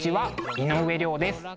井上涼です。